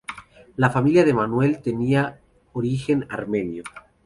La familia de Manuel tenía origen armenio.